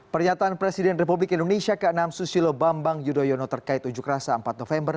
pernyataan presiden republik indonesia ke enam susilo bambang yudhoyono terkait unjuk rasa empat november